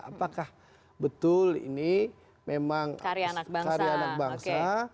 apakah betul ini memang karya anak bangsa